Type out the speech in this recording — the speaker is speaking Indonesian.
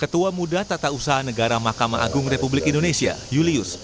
ketua muda tata usaha negara mahkamah agung republik indonesia julius